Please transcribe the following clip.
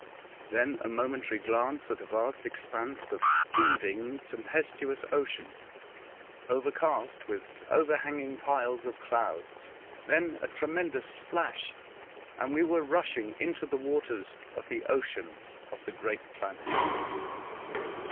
Then a momentary glance at a vast expanse of heaving, tempes First Impressions, 163 tuous ocean, overcast with overhanging piles of clouds, then a tremendous splash, and we were rushing into the waters of the ocean of the great planet.